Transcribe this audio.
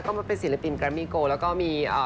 มาเป็นศิลปินแกรมมี่โกแล้วก็มี